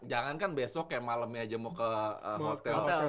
jangan kan besok ya malemnya aja mau ke hotel